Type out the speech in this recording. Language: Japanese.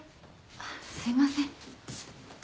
あっすいません。